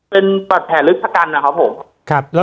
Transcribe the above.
เป็นบาดแผลลึกชะกันนะครับผม